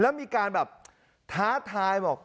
แล้วมีการแบบท้าทายบอก